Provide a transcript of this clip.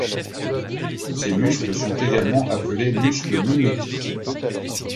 Ces muscles sont également appelés muscles mimétiques.